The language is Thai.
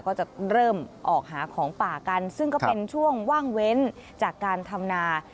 ก็จะเริ่มออกหาของป่ากันซึ่งก็เป็นช่วงว่างเว้นจากการทำนา